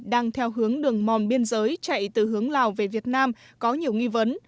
đang theo hướng đường mòn biên giới chạy từ hướng lào về việt nam có nhiều nghi vấn